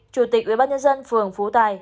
chủ tịch ubnd phường phú tài